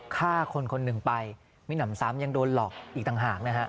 ฆ่าคนคนหนึ่งไปมีหนำซ้ำยังโดนหลอกอีกต่างหากนะฮะ